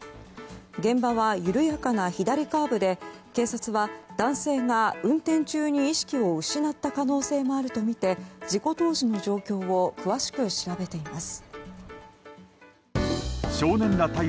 現場は緩やかな左カーブで警察は、男性が運転中に意識を失った可能性もあるとみて事故当時の状況を詳しく調べています。